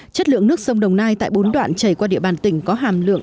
chất lượng nước sông đồng nai tại bốn đoạn chảy qua địa bàn tỉnh có hàm lượng